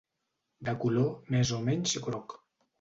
De color més o menys groc.